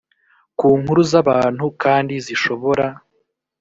ku nkuru z abantu kandi zishobora